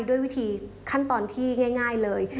ด้วยวิธีขั้นตอนที่ง่ายเลย